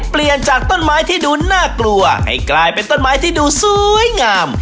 เปลี่ยนจากต้นไม้ที่ดูน่ากลัวให้กลายเป็นต้นไม้ที่ดูสวยงาม